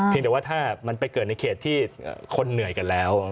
แต่ว่าถ้ามันไปเกิดในเขตที่คนเหนื่อยกันแล้ว